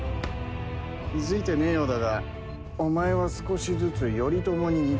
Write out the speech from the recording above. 気付いてねえようだがお前は少しずつ頼朝に似てきているぜ。